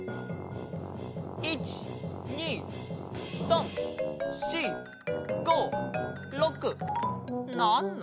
１２３４５６７？